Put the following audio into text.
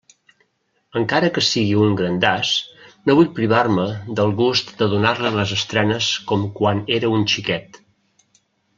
Encara que siga un grandàs, no vull privar-me del gust de donar-li les estrenes com quan era un xiquet.